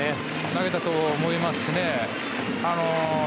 投げたと思いますね。